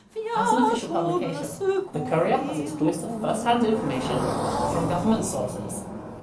As an official publication, the "Courier" has exclusive first-hand information from government sources.